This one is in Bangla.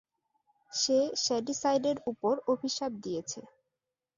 সে শ্যাডিসাইডের উপর অভিশাপ দিয়েছে।